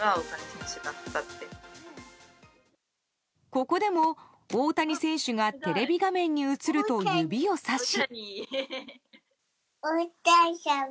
ここでも大谷選手がテレビ画面に映ると指をさし。